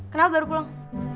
kenapa baru pulang